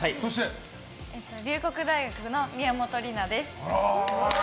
龍谷大学の宮本李菜です。